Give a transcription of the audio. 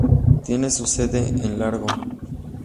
Tiene su sede en Largo.